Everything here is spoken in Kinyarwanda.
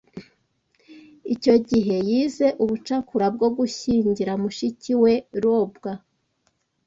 Icyo gihe yize ubucakura bwo gushyingira mushiki we ROBWA